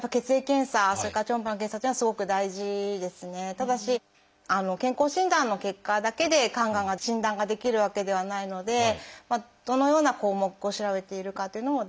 ただし健康診断の結果だけで肝がんが診断ができるわけではないのでどのような項目を調べているかというのも大事ですね。